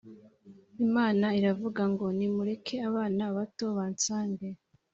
Imana iravugango ni mureke abana bato bansange